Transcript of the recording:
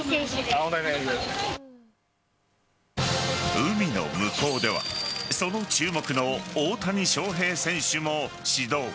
海の向こうではその注目の大谷翔平選手も始動。